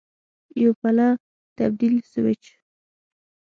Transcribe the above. یو پله تبدیل سویچ